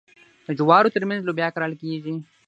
د جوارو ترمنځ لوبیا کرل کیږي.